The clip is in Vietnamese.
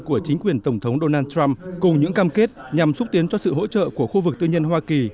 của chính quyền tổng thống donald trump cùng những cam kết nhằm xúc tiến cho sự hỗ trợ của khu vực tư nhân hoa kỳ